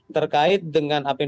terkait dengan apa yang